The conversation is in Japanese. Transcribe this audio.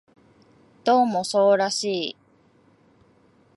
どうもそうらしい